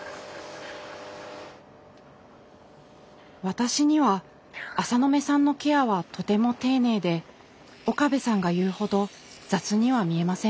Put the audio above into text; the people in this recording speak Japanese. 私には浅野目さんのケアはとても丁寧で岡部さんが言うほど雑には見えませんでした。